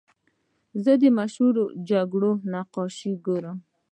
زه د مشهورو جګړو نقشې ګورم.